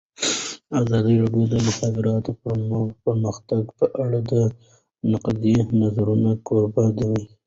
ازادي راډیو د د مخابراتو پرمختګ په اړه د نقدي نظرونو کوربه وه.